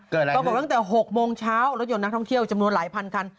อะไรก็บอกตั้งแต่๖โมงเช้ารถยนต์นักท่องเที่ยวจำนวนหลายพันคัน